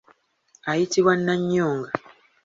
Ayitibwa Nnannyonga.